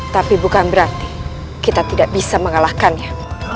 tapi bukan berarti kita tidak bisa mengalahkannya